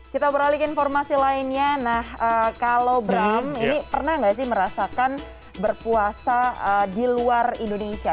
kita beralih ke informasi lainnya nah kalau bram ini pernah nggak sih merasakan berpuasa di luar indonesia